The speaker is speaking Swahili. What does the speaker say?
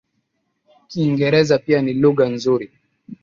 Kiingereza pia ni lugha nzuri